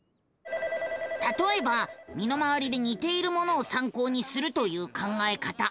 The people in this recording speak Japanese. たとえば身の回りでにているものをさんこうにするという考え方。